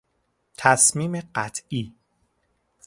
تصمیم قطعی